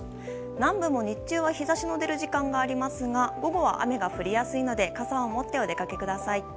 南部も日中は日差しの出る時間がありますが午後は雨が降りやすいので傘を持ってお出かけください。